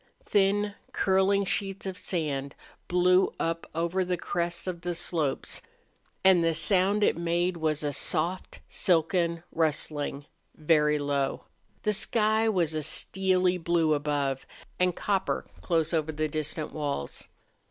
Thin, curling sheets of sand blew up over the crests of the slopes, and the sound it made was a soft, silken rustling, very low. The sky was a steely blue above and copper close over the distant walls.